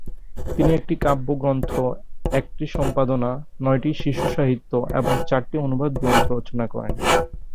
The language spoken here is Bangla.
তিনি একটি কাব্যগ্রন্থ, একটি সম্পাদনা, নয়টি শিশুসাহিত্য এবং চারটি অনুবাদ গ্রন্থ রচনা করেন।